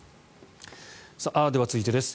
では、続いてです。